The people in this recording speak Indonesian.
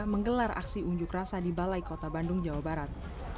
menggelar aksi unjuk rasa di balai kota bandung jawa barat